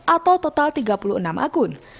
atau total tiga puluh enam akun